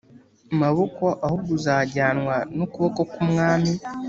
maboko ahubwo uzajyanwa n ukuboko k umwami